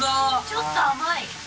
ちょっと甘い。